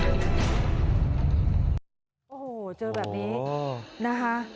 โอ้โหเจอแบบนี้นะคะ